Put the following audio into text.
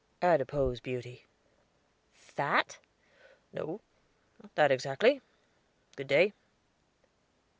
"Adipose beauty." "Fat?" "No; not that exactly. Good day."